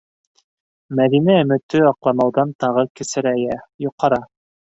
Мәҙинә өмөтө аҡланмауҙан тағы кесерәйә, йоҡара